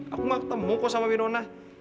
aku gak ketemu kok sama winona